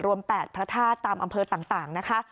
๘พระธาตุตามอำเภอต่างนะคะ